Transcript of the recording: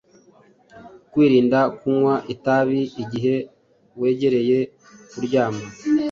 Kwirinda kunywa itabi igihe wegereje kuryama